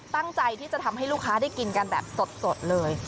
ตั้งใจที่จะทำให้ลูกค้าได้กินกันแบบสดเลย